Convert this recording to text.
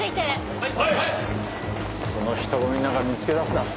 はい！